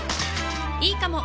いいかも！